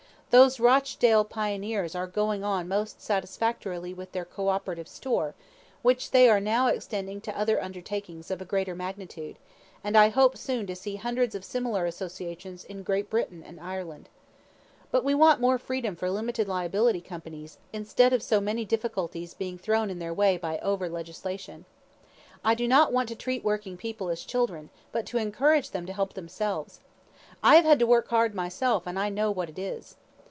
Those Rochdale pioneers are going on most satisfactorily with their co operative store, which they are now extending to other undertakings of a greater magnitude, and I hope soon to see hundreds of similar associations in Great Britain and Ireland. But we want more freedom for limited liability companies, instead of so many difficulties being thrown in their way by over legislation. I do not want to treat working people as children, but to encourage them to help themselves. I have had to work hard myself, and I know what it is."